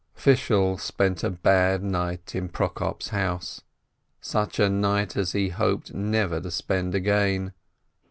Fishel spent a bad night in Prokop's house — such a night as he hoped never to spend again.